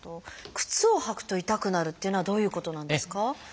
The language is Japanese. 靴を履くと痛くなるっていうのはどういうことなんですか？